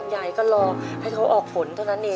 ยายก็รอให้เขาออกผลเท่านั้นเอง